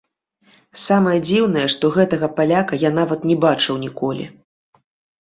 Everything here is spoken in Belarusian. Самае дзіўнае, што гэтага паляка я нават не бачыў ніколі.